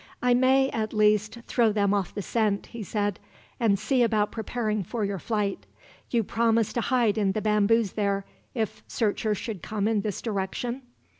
"I may, at least, throw them off the scent," he said, "and see about preparing for your flight. You promise to hide in the bamboos there, if searchers should come in this direction?"